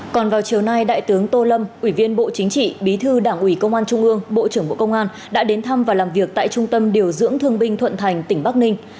còn vào chiều nay đại tướng tô lâm ủy viên bộ chính trị bí thư đảng ủy công an trung ương bộ trưởng bộ công an đã đến thăm và làm việc tại trung tâm điều dưỡng thương binh thuận thành tỉnh bắc ninh